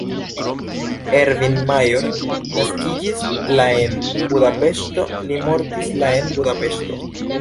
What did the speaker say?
Ervin Major naskiĝis la en Budapeŝto, li mortis la en Budapeŝto.